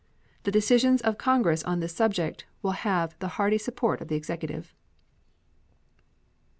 The decisions of Congress on this subject will have the hearty support of the Executive.